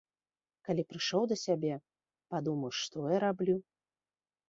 Калі прыйшоў да сябе, падумаў, што я раблю?